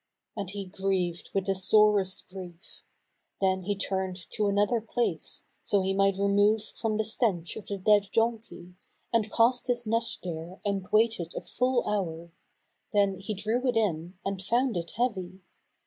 And he grieved with the sorest grief. Then he turned to another place, so he might remove from the stench of the dead donkey, and cast his net there and waited a full hour: then he drew it in and found it heavy.